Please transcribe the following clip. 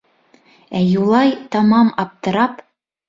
Ә Юлай, тамам аптырап: